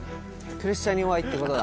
プレッシャーに弱いってことだ。